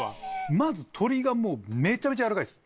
まず鶏がもうめちゃめちゃ軟らかいっす。